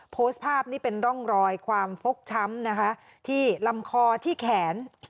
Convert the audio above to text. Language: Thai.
โพสต์ภาพนี่เป็นร่องรอยความฟกช้ำนะคะที่ลำคอที่แขน